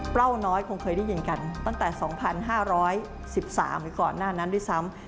เล่าน้อยคงเคยได้ยินกันตั้งแต่๒๕๑๓หรือก่อนหน้านั้นด้วยซ้ำ